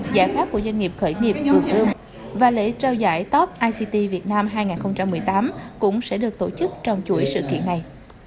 giải pháp của doanh nghiệp khởi nghiệp chùa hương và lễ trao giải top ict việt nam hai nghìn một mươi tám cũng sẽ được tổ chức trong chuỗi sự kiện này